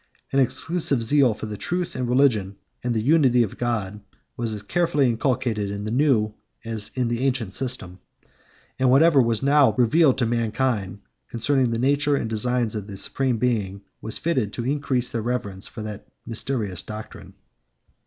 An exclusive zeal for the truth of religion, and the unity of God, was as carefully inculcated in the new as in the ancient system; and whatever was now revealed to mankind concerning the nature and designs of the Supreme Being was fitted to increase their reverence for that mysterious doctrine.